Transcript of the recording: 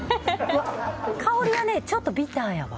香りがちょっとビターやわ。